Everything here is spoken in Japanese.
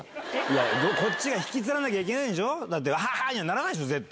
こっちが引きつらなきゃいけないんでしょ、わははにはならないでしょ、絶対。